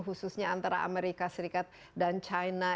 khususnya antara amerika serikat dan china